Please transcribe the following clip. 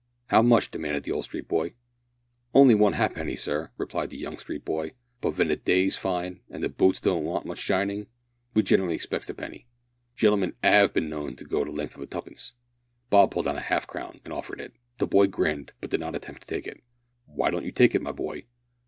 "How much?" demanded the old street boy. "On'y one ha'penny, sir," replied the young street boy, "but ven the day's fine, an' the boots don't want much shinin', we gin'rally expecs a penny. Gen'l'min 'ave bin known to go the length of tuppence." Bob pulled out half a crown and offered it. The boy grinned, but did not attempt to take it. "Why don't you take it, my boy?"